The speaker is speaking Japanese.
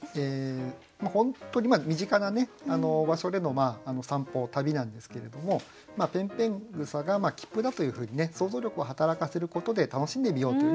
本当に身近な場所での散歩旅なんですけれどもぺんぺん草が切符だというふうにね想像力を働かせることで楽しんでみようというね